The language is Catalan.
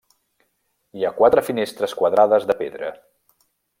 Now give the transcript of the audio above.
Hi ha quatre finestres quadrades de pedra.